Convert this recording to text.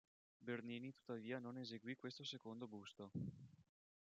Bernini tuttavia non eseguì questo secondo busto.